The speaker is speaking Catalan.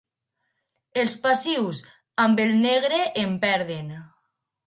Els passius, amb el negre, en perden.